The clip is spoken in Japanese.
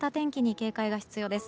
警戒が必要です。